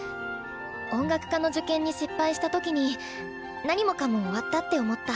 音楽科の受験に失敗した時に何もかも終わったって思った。